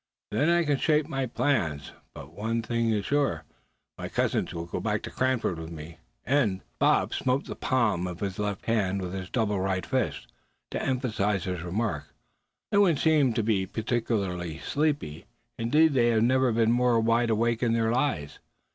Then I can shape my plans; but one thing sure, my cousin will go back to Cranford with me!" and Bob smote the palm of his left hand with his doubled right fist, to emphasize his remark. No one seemed a particle sleepy. Indeed, they had never been more wide awake in their lives.